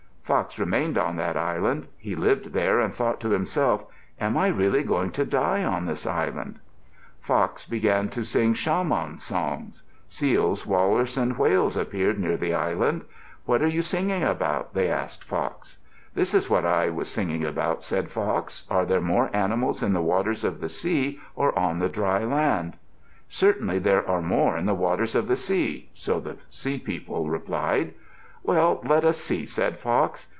Fox remained on that island. He lived there and thought to himself, "Am I really going to die on this island?" Fox began to sing shamans' songs. Seals, walrus, and whales appeared near the island. "What are you singing about?" they asked Fox. "This is what I was singing about," said Fox. "Are there more animals in the waters of the sea or on the dry land?" "Certainly there are more in the waters of the sea," so the Sea People replied. "Well, let us see," said Fox.